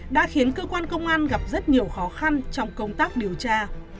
đã khiến cơ quan công an gặp rất nhiều khó khăn trong công tác điều tra